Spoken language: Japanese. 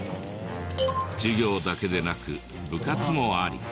授業だけでなく部活もあり。